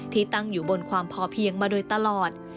ที่ตั้งอยู่บนความพอเพียงมาโดยตลอด